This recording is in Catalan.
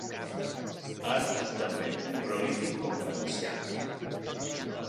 Ha estat també un prolífic conferenciant.